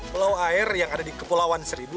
pulau air yang ada di kepulauan seribu